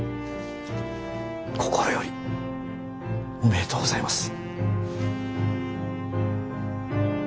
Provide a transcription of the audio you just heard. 心よりおめでとうございます。